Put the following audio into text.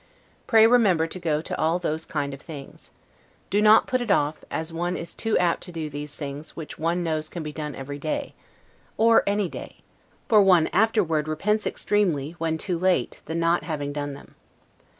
Pray remember to go to all those kind of things. Do not put it off, as one is too apt to do those things which one knows can be done every day, or any day; for one afterward repents extremely, when too late, the not having done them.